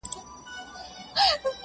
خو ماته دي سي، خپل ساقي جانان مبارک,